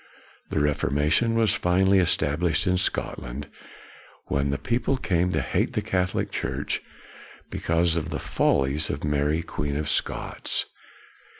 The Reformation was finally established in Scotland, when the people came to hate the Catholic Church because of the follies of Mary Queen of Scots.